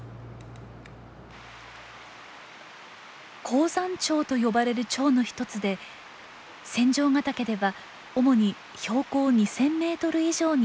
高山蝶と呼ばれるチョウの一つで仙丈ヶ岳では主に標高２，０００メートル以上に生息しています。